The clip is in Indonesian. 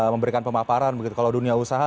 memberikan pemaparan begitu kalau dunia usaha